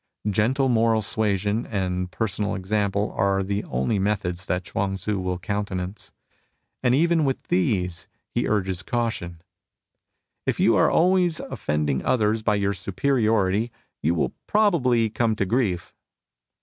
Gentle moral suasion and personal ex ample are the only methods that Chuang Tzu will coimtenance ; and even with these he urges caution :" If you are always offending others by your superiority, you will probably come to grief."